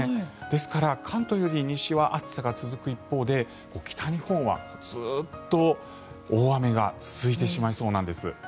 ですから、関東より西は暑さが続く一方で北日本はずっと大雨が続いてしまいそうなんです。